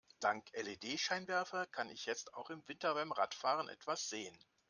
Dank LED-Scheinwerfer kann ich jetzt auch im Winter beim Radfahren etwas sehen.